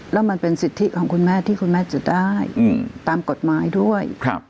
แล้วมันเป็นสิทธิของคุณแม่ที่คุณแม่จะได้ตามกฎหมายด้วย